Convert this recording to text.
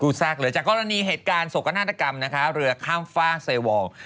กูซากเรือจากกรณีเหตุการณ์สกนาฏกรรมเรือข้ามฝ้าเซวองซ์